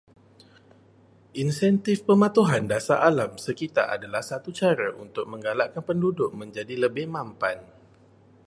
Insentif pematuhan dasar alam sekitar adalah satu cara untuk menggalakkan penduduk menjadi lebih mampan